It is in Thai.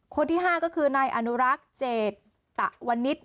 คนที่๕ก็คือนายอนุรักษ์เจตตะวันนิษฐ์